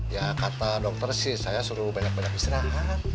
ya kata dokter sih saya suruh banyak banyak istirahat